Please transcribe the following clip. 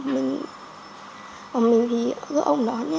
mình thì cứ ông đón nhé